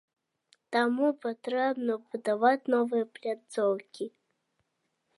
Таму патрэбна будаваць новыя пляцоўкі.